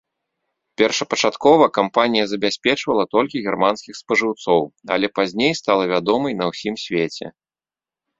Першапачаткова кампанія забяспечвала толькі германскіх спажыўцоў, але пазней стала вядомай на ўсім свеце.